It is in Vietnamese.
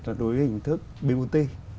đối với hình thức bot